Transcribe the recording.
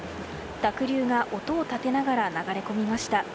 濁流が音を立てながら流れ込みました。